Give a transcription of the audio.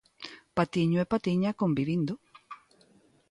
Patiño e Patiña convivindo.